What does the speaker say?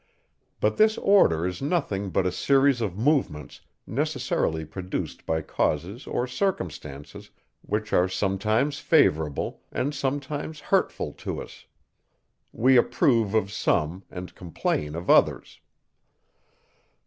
But this order is nothing but a series of movements necessarily produced by causes or circumstances, which are sometimes favourable, and sometimes hurtful to us: we approve of some, and complain of others.